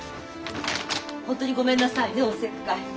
本当にごめんなさいねおせっかい。